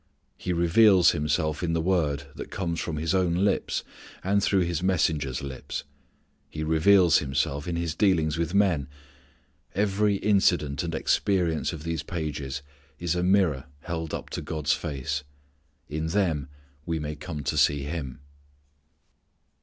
_ He reveals Himself in the word that comes from His own lips, and through His messengers' lips. He reveals Himself in His dealings with men. Every incident and experience of these pages is a mirror held up to God's face. In them we may come to see Him.